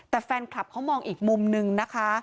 แต่แฟนคลับเขามองอีกมุมนึงนะคะ